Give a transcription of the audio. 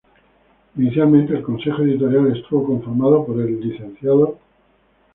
Inicialmente el Consejo editorial estuvo conformado por el Lic.